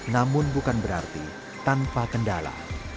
namun bukan berarti tanpa kendala